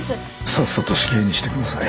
さっさと死刑にしてください。